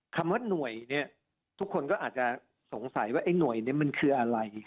คำว่าหน่วยเนี่ยทุกคนก็อาจจะสงสัยว่าไอ้หน่วยนี้มันคืออะไร